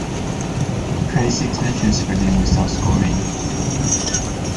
He played six matches for them without scoring.